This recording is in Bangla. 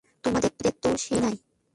তোমাদের তো সে দায় নেই!